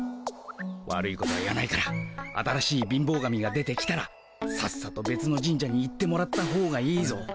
悪いことは言わないから新しい貧乏神が出てきたらさっさとべつの神社に行ってもらったほうがいいぞ。